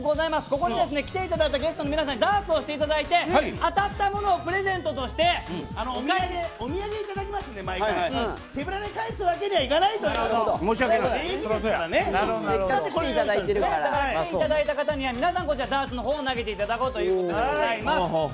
ここに来ていただいたゲストの皆さんにダーツをしていただいて当たったものをプレゼントとして毎回お土産を頂きますので手ぶらで返すわけにはいかないということで来ていただいた方には皆さん、こちらダーツの方投げていただこうという企画でございます。